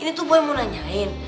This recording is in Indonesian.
ini tuh gue mau nanyain